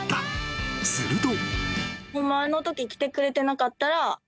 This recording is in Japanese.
［すると］